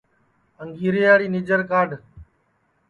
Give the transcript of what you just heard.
انگریاڑِ نیجر کاڈھ